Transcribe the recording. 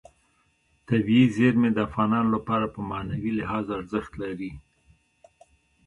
طبیعي زیرمې د افغانانو لپاره په معنوي لحاظ ارزښت لري.